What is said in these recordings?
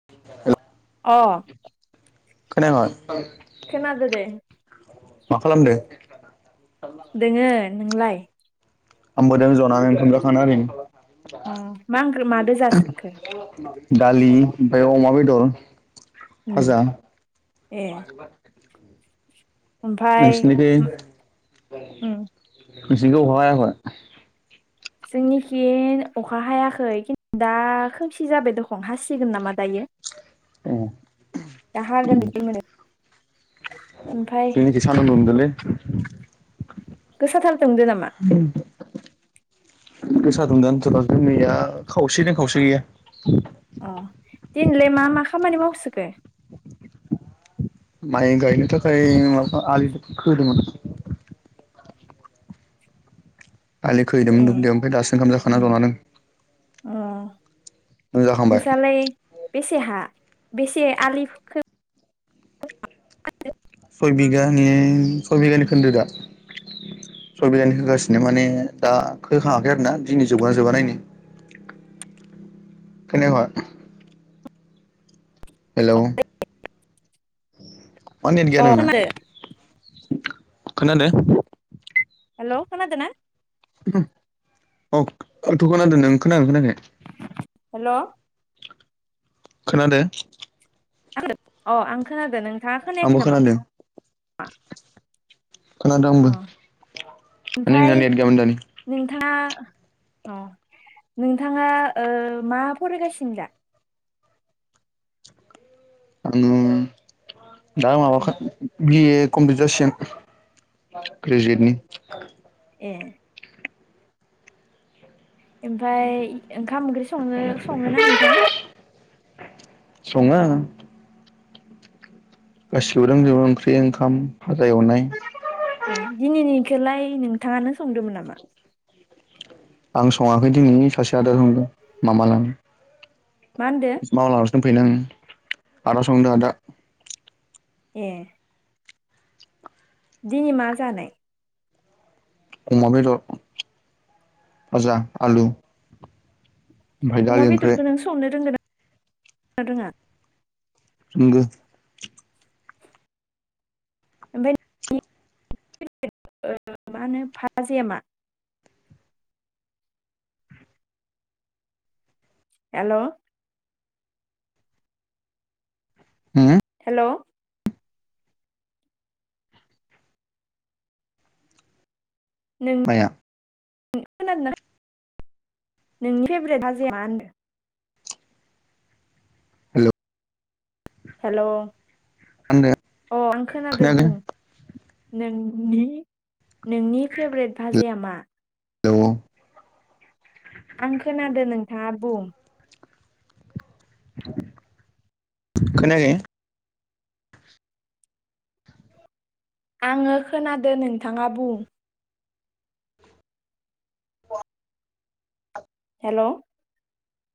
[inaudible] अ खोनायाखै? खोनादों दे। मा खालामदों। दोङो नोंलाय? आंबो दों जनानै दुगैखांना ओरैनो। अ मा ओंख्रि मादों जासोखो? दालि ओमफ्राय अमा बेदर। उम फाजा ए [inaudible] ओमफाय नोंसिनिखि नोंसिनिखै अखा हायाखै? जोंनिखिन अखा हायाखै दा खोमसि जाबाय दखं हासिगोन नामा दायो। ए दा हागोन बायदि मोनो। ओमफ्राय सान्दुं दुंदोंलै गोसाथार दुंदों नामा? उम गोसा दुंदोङानोथर' जोमैया खावसे दों खावसे गैया। दिनैलाय मा मा खामानि मावसोखो? माइ गायनो थाखाय माबा आलि खोहैदोंमोन। आलि ए खोहैदोंमोन दुब्लियाव ओमफाय दासो ओंखाम जाखानानै जना दों। ओ नों जाखांबाय नोंसालाय बेसे हा बेसे आलि खो सय बिगानि सय बिगानि खोन्दो दा। सयबिगानि खोगासिनो माने दा खोखाङाखै आरोना दिनै जोबगोना जोबा नायनि। खोनायाखय? हेलौ मा नेट गैया अ नोंना? खोनादो हेल' खोनादोना? औ औथ' खोनादों नों खोनादोंना खोनायाखै? हेल' खोनादो? अ' आं खोनादो नों आंबो खोनादों। खोनादों अ आंबो माने नोंनिया ओमफाय नेट गैयामोन दानि। नोंथाङा अ' नोंथाङा ओ मा फरायगासिनो दा? उम दा माबा खा बिए कमप्लिट जासिगोन ग्रेजुयेटनि। ए एमफाय ओंखाम ओंख्रि सङो सङोना नोंथाङा? सङो। गासिबो रोंजोबो ओंख्रि ओंखाम फाजा एवनाय। अ' दिनैनि खोलाय नोंथाङानो संदोमोन नामा? आं सङाखै दिनैनि सासे आदा संदों मामा लानि। मा होनदो? मामा लानावसो दंफैयोना आं आदा संदो आदा। ए दिनि मा जानाय? अमा बेदर भाजा आलु। ओमफ्राय अमा दालि ओंख्रि बेदरखो नों संनो रोंगोना रोङा? रोंगो। ओमफ्राय नोंनि फेभरेट ओ माहोनो भाजाया मा? हेल' उम हेल' नों माया? खोनादोना? नोंनि फेभरेट भाजाया मा होनदो? हेल' हेल' अ' मा होनदो आं खोनादो खोनायाखै बुं। नोंनि नोंनि फेभरेट भाजाया मा? दङ। आं खोनादो नोंथाङा बुं। खोनायाखै? आङो खोनादो नोंथाङा बुं। हेल'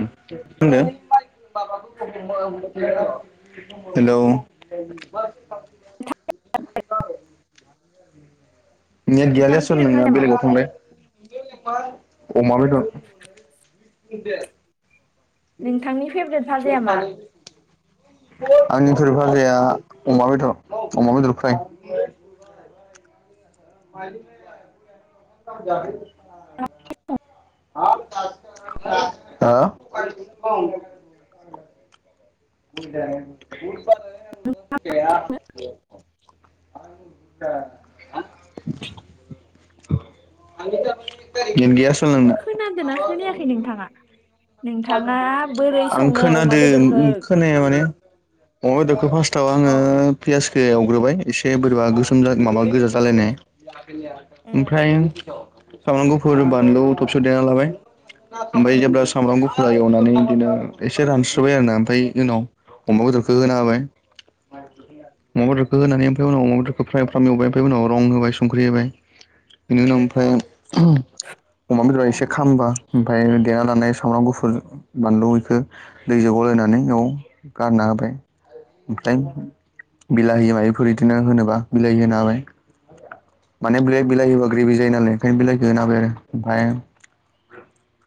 [unintelligible] हेलौ [unintelligible] नेट गैयालै नोंथांनि आसोल फेभरेट नोंना भाजाया मा बेलेगाव थांलाय अमा बेदर। [unintelligible] नोंथांनि फेबरेट भाजाया मा? आंनि फेबरेट भाजाया अमा बेदर अमा बेदर फ्राय। [unintelligible] हा [unintelligible] [unintelligible] नेट गैया आसोल नोंना। खोनदोना खोनायाखै नोंथाङा? नोंथाङा बोरै आं सङो अमा बेदरखौ खोनादों खोनाया माने अमा बेदरखौ फासथाव आङो अ पियासखो एवग्रोबाय एसे बोरैबा गोसोम जा माबा गोजा जालायनाय। उम ओमफ्राय सामब्राम गुफुर बानलु थबसियाव देना लाबाय। ओमफाय उम जेब्ला सामब्राम गुफुरा एवनानै इदिनो एसे रानस्रोबाय आरोना ओमफाय उनाव अमा बेदरखो होना होबाय। अमा बेदरखो होनानै ओफाय उनाव अमा बेदरखो फ्राम फ्राम एवबाय ओमफाय उनाव रं होबाय संख्रि होबाय। बेनि उनाव ओमफ्राय अमा बेदरा एसे खामबा ओमफाय देना लानाय स सामब्राम गुफुर बानलु इखो दैजो गलायनानै इयाव गारना होबाय। ओमफ्राय बिलाहि मायफोर इदिनो होनोबा बिलाहि होना होबाय। माने बे बिलाहि होबा ग्रेबि जायो नालाय ओंखायनो बिलाइखो होनो होबाय आरो ओमफ्राय।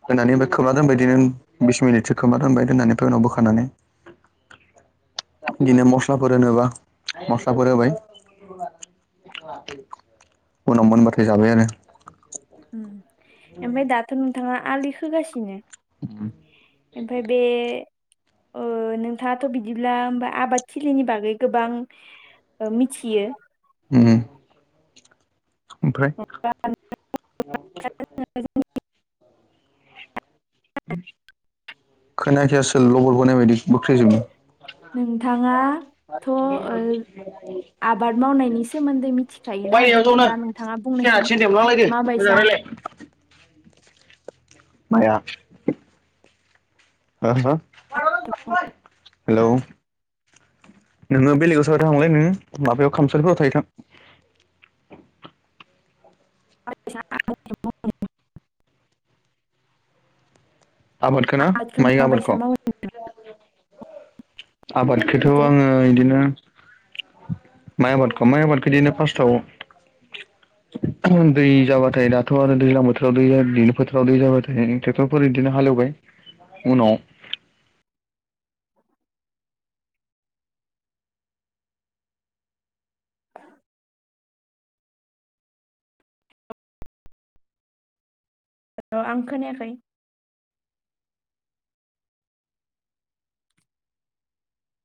होनानै होबाय खोबना दोनबाय इदिनो बिस मिनिटसो खोबना दोनबाय दोननानै ओफ्राय उनाव बोखारनानै दिनो मस्लाफोर होनोबा मस्लाफोर होबाय। उनाव मोनबाथाय जाबाय आरो। उम ओमफाय दाथ' नोंथाङा आलि खोगासिनो ओमफाय बे ओ नोंथाङाथ' बिदिब्ला होमबा आबाद थिलिनि बागै गोबां ओ मिथियो। उम ओमफ्राय [unintelligible] [unintelligible] खोनायाखै आसोल लबर बोनाय बायदिसो बोख्रेजोबदो नोंथाङा थ' ओ आबाद मावनायनि सोमोन्दै मिथिखायोना ओंखायथ' दा नों थाङा बुंनायसुन मा बायसा माया हो हो? [unintelligible] हेलौ नोङो बेलेगाव साइद आव थांलाय नोङो माबायाव खामसालिफोराव थायै थां आ [unintelligible] ना आबादखौ माइ मााबायसा आबादखौ मावो नोंथां? आबादखौथ' मावो आङो इदिनो माइ आबादखौ माइ आबादखौ इदिनो फास्स्टाव दै जाबाथाय दाथ' आरो दैज्लां बोथोराव दै दैलु बोथोराव दै जाबाय थायो टेक्टरफोर बिदिनो हालएवबाय उनाव आं खोनायाखै